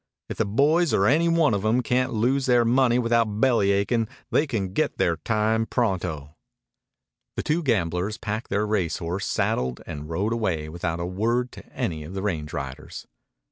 If the boys, or any one of 'em, can't lose their money without bellyachin', they can get their time pronto." The two gamblers packed their race horse, saddled, and rode away without a word to any of the range riders.